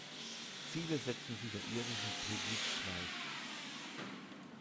Viele setzen sie der irischen Brigid gleich.